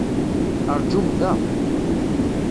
Rǧum da!